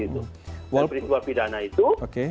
dan peristiwa pidana itu